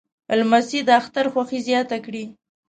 لمسی د اختر خوښي زیاته کړي.